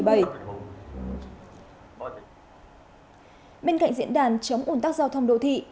bên cạnh diễn đàn chống ủn tắc giao thông đô thị